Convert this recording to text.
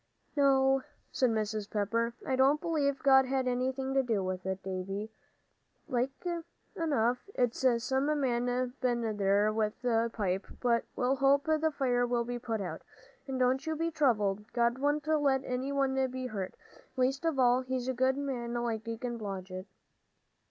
"No," said Mrs. Pepper, "I don't b'lieve God had anything to do with it, Davie. Like enough it's some man been in there with a pipe, but we'll hope the fire'll be put out. And don't you be troubled; God wouldn't let any one be hurt, least of all a good man like Deacon Blodgett."